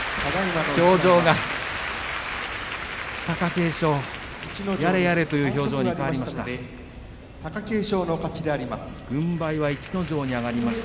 表情が貴景勝やれやれという表情に変わりました。